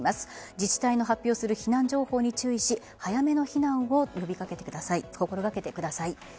自治体の発表する避難情報に注意し早めの避難を心がけてください。